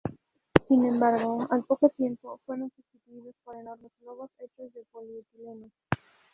Sin embargo, al poco tiempo, fueron sustituidos por enormes globos hechos de polietileno.